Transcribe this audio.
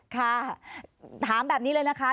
ค่ะถามแบบนี้เลยนะคะ